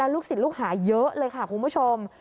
และลูกสิทธิ์ลูกหายเยอะเลยค่ะคุณผู้ชม